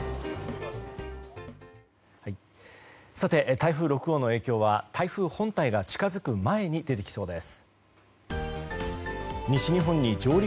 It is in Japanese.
台風６号の影響は台風本体が近づく前に出てきそうです。